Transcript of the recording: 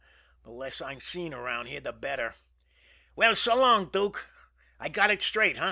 The less I'm seen around here the better. Well, so long, Dook I got it straight, eh?